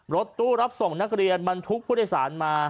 รถตู้รับส่งนักเรียนบรรทุกผู้โดยสารมา